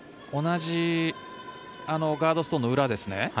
同じガードストーンの裏ですね。